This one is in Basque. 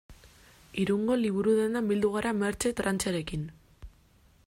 Irungo liburu-dendan bildu gara Mertxe Trancherekin.